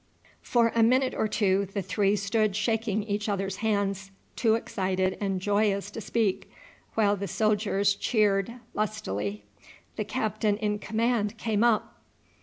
For a minute or two the three stood shaking each other's hands, too excited and joyous to speak, while the soldiers cheered lustily. The captain in command came up.